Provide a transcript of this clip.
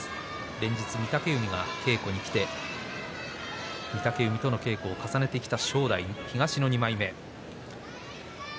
連日、御嶽海は稽古に来て御嶽海との稽古を重ねてきた正代東の２枚目。